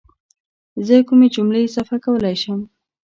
زه کومې جملې اضافه کولی شم